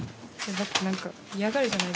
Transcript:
だって何か嫌がるじゃないですか。